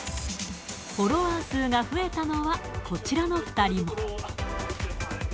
フォロワー数が増えたのは、こちらの２人も。